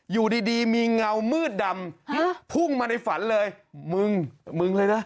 อยู่ดีมีเงามืดดำพุ่งมาในฝันเลยมึงมึงเลยนะ